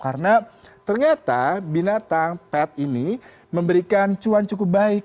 karena ternyata binatang pet ini memberikan cuan cukup baik